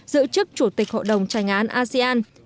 giữ chức chủ tịch hội đồng tranh án asean